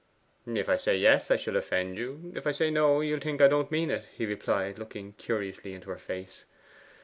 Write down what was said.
'If I say Yes, I shall offend you; if I say No, you'll think I don't mean it,' he replied, looking curiously into her face.